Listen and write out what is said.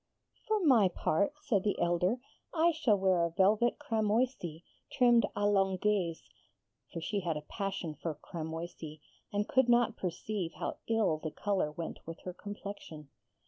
] 'For my part,' said the elder, 'I shall wear a velvet cramoisie trimmed à l'Anglaise' for she had a passion for cramoisie, and could not perceive how ill the colour went with her complexion.